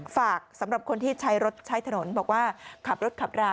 ฝากสำหรับคนที่ใช้รถใช้ถนนบอกว่าขับรถขับรา